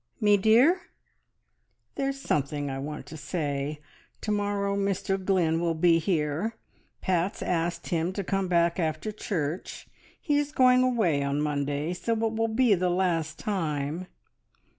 "Me dear?" "There's something I want to say. ... To morrow Mr Glynn will be here. Pat's asked him to come back after church. He is going away on Monday, so it will be the last time.